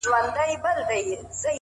هڅاند انسان د انتظار پرځای حرکت کوي؛